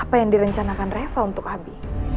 apa yang direncanakan reva untuk abi